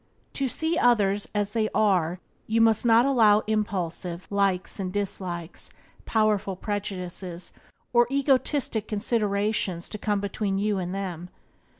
To see others as they are you must not allow impulsive likes and dislikes, powerful prejudices, or egotistic considerations to come between you and them.